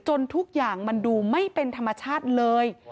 ทุกอย่างมันดูไม่เป็นธรรมชาติเลย